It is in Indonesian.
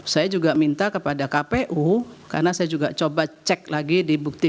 saya juga minta kepada kpu karena saya juga coba cek lagi di bukti